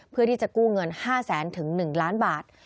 เพื่อที่จะกู้เงิน๕แสนถึง๑ล้านบาท